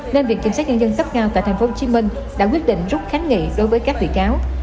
nên viện kiểm sát nhân dân cấp cao tại tp hcm đã quyết định rút kháng nghị đối với các bị cáo